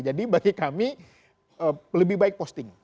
jadi bagi kami lebih baik posting